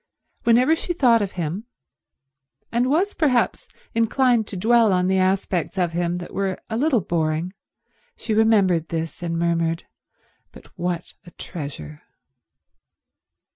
Whenever she thought of him, and was perhaps inclined to dwell on the aspects of him that were a little boring, she remembered this and murmured, "But what a treasure."